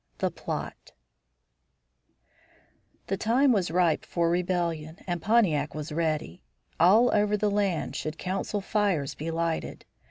THE PLOT The time was ripe for rebellion and Pontiac was ready. All over the land should council fires be lighted.